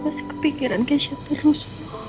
aku masih kepikiran kece terus